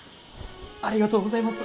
ありがとうございます！